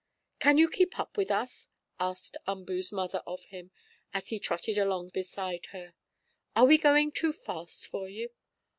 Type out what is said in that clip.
"Can you keep up with us?" asked Umboo's mother of him as he trotted along beside her. "Are we going too fast for you?"